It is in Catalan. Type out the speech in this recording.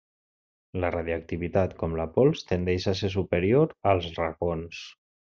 La radioactivitat, com la pols, tendeix a ser superior als racons.